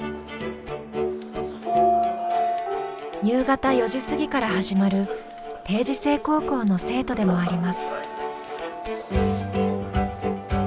夕方４時過ぎから始まる定時制高校の生徒でもあります。